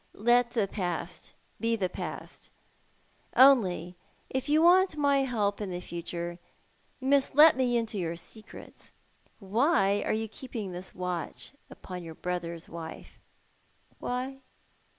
Let the past be past— only if you want my help in the future you must let me into your secrets. "Why are you keeping this watch upon your l)rother's wife ?"" Why